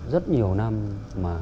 rất nhiều năm mà